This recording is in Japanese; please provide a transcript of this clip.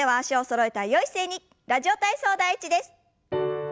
「ラジオ体操第１」です。